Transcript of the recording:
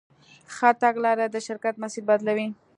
ښه تګلاره د شرکت مسیر بدلوي.